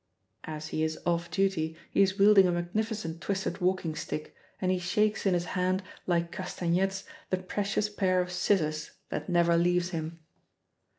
As he is off duty, he is wielding a magnificent twisted walking stick, and he shakes in his hand like castanets the precious pair of scissors that never leaves him.